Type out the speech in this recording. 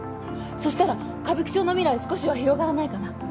そしたら歌舞伎町の未来少しは広がらないかな？